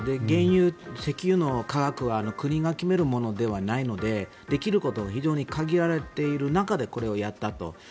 原油、石油の価格は国が決めるものではないのでできることが非常に限られている中でこれをやったと。